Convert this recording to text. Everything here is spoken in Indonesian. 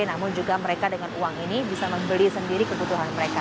namun juga mereka dengan uang ini bisa membeli sendiri kebutuhan mereka